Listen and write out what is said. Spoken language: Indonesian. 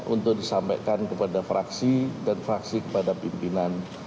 untuk disampaikan kepada fraksi dan fraksi kepada pimpinan